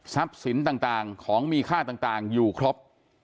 สินต่างของมีค่าต่างอยู่ครบ